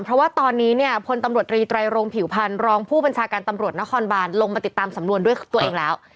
เพราะว่าตอนนี้เนี่ยพลตำรวจรีไตรโรงผิวพันธ์รองผู้บัญชาการตำรวจนครบานลงมาติดตามสำนวนด้วยตัวเองแล้ว